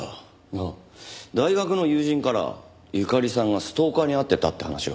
ああ大学の友人から友加里さんがストーカーに遭ってたって話が。